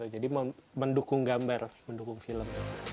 jadi mendukung gambar mendukung film